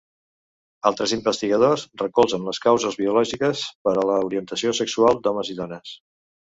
Altres investigadors recolzen les causes biològiques per a l'orientació sexual d'homes i dones.